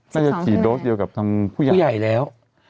น่าจะฉีดโดสเยอะกับทั้งผู้ใหญ่ผู้ใหญ่แล้ว